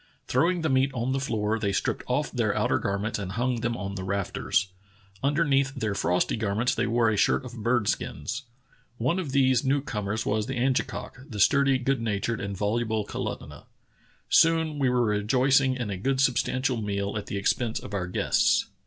Throwing the meat on the floor, they stripped off their outer garments and hung them on the rafters. Underneath their frosty garments they wore a shirt of bird skins. One of these new comers was the Angekok, the sturdy, good natured, and voluble Kalutunah. Soon we were rejoicing in a good substantial meal at the expense of our guests."